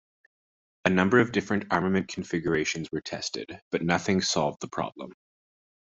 A number of different armament configurations were tested, but nothing solved the problem.